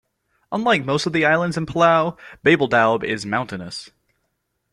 Unlike most of the islands of Palau, Babeldaob is mountainous.